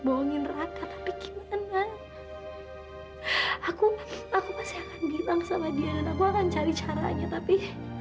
bohongin raka tapi gimana aku aku pasti akan gita sama dia dan aku akan cari caranya tapi